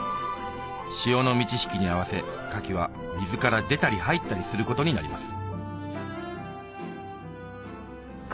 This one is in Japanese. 潮の満ち引きに合わせカキは水から出たり入ったりすることになります